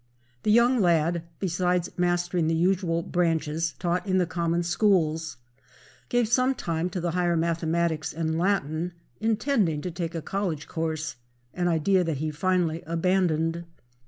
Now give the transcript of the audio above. The young lad, besides mastering the usual branches taught in the common schools, gave some time to the higher mathematics and Latin, intending to take a college course, an idea that he finally abandoned.